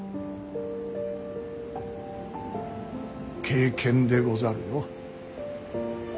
経験でござるよ。